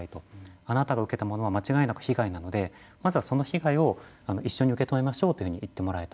あなたが受けたものは間違いなく被害なのでまずはその被害を一緒に受け止めましょうというふうに言ってもらえた。